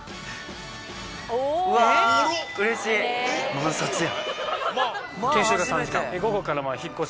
万札や！